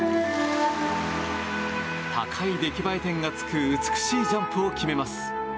高い出来栄え点がつく美しいジャンプを決めます。